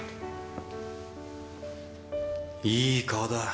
いい顔だ。